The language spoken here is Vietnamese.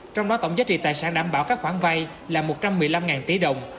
trong đó tổng giá trị tài sản đảm bảo các khoản vay là một trăm một mươi năm tỷ đồng